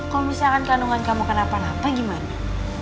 kalau misalkan kandungan kamu kenapa napa gimana